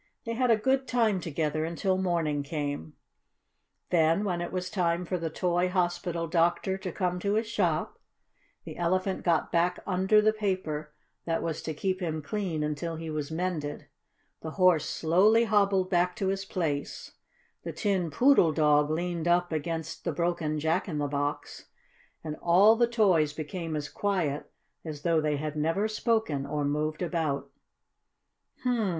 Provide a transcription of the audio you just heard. They had a good time together until morning came. Then, when it was time for the toy hospital doctor to come to his shop, the Elephant got back under the paper that was to keep him clean until he was mended, the Horse slowly hobbled back to his place, the Tin Poodle Dog leaned up against the broken Jack in the Box, and all the toys became as quiet as though they had never spoken or moved about.